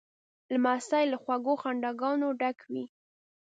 لمسی له خوږو خنداګانو ډک وي.